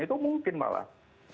itu mungkin malah